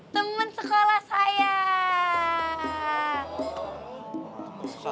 temen sekolah saya